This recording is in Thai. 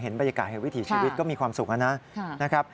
เห็นบรรยากาศเห็นวิถีชีวิตก็มีความสุขแล้วนะ